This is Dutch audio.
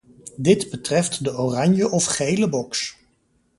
Dit betreft de oranje of gele box.